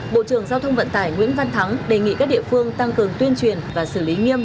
bộ trưởng giao thông vận tải nguyễn văn thắng đề nghị các địa phương tăng cường tuyên truyền và xử lý nghiêm